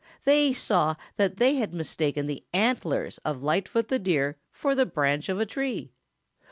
They saw that they had mistaken the antlers of Lightfoot the Deer for the branch of a tree.